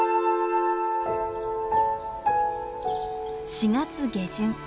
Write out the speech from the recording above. ４月下旬。